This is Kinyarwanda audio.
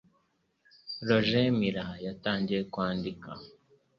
Roger Miller yatangiye kwandika